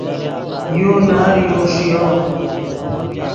یو نر یو ݰیو